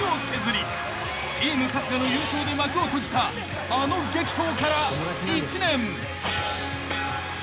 ［チーム春日の優勝で幕を閉じたあの激闘から１年］